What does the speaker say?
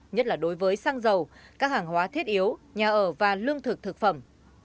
nhất là đối với xăng dầu các hàng hóa thiết yếu nhà ở và lương thực thực phẩm